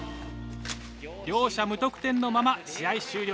両者無得点のまま試合終了。